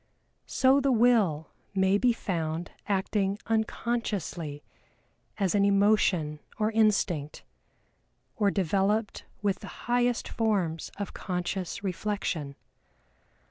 So the Will may be found acting unconsciously as an emotion or instinct, or developed with the highest forms of conscious reflection.